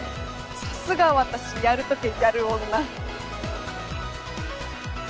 さすが私やるときゃやる女。